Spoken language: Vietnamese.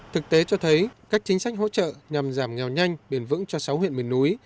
thực tế cho thấy các chính sách hỗ trợ nhằm giảm nghèo nhanh bền vững cho sáu huyện miền núi